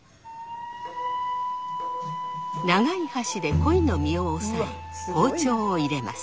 長い箸で鯉の身を押さえ包丁を入れます。